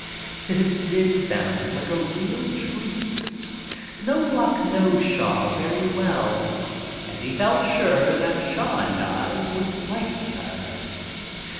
This did sound like a real treat. Knobloch knows Shaw very well and he felt sure that Shaw and I would like each other.